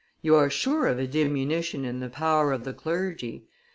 You are sure of a diminution in the power of the clergy.